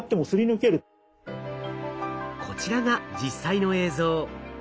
こちらが実際の映像。